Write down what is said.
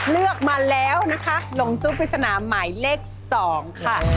เลือกมาแล้วนะคะหลงจุ๊บปริศนาหมายเลข๒ค่ะ